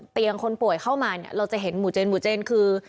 คนป่วยเข้ามาเนี่ยเราจะเห็นหมู่เจนหมู่เจนคือ